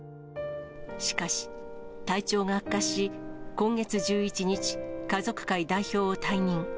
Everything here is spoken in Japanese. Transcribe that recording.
しかし、体調が悪化し、今月１１日、家族会代表を退任。